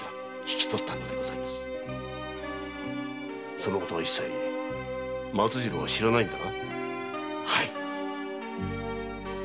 その事は一切松次郎は知らないのだな。